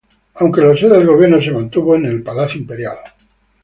Aunque la sede de gobierno se mantuvo en el Palacio Imperial.